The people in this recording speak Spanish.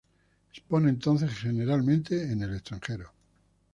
Expone entonces generalmente en el extranjero.